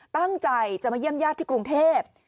ตั้งใจจะมาเยี่ยมญาติที่กรุงเทพ